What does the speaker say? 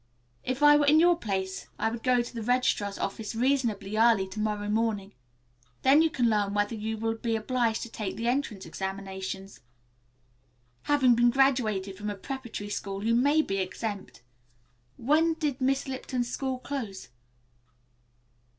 "If I were in your place I would go to the registrar's office reasonably early to morrow morning. You can then learn whether you will be obliged to take the entrance examinations. Having been graduated from a preparatory school you may be exempt. When did Miss Lipton's school close?"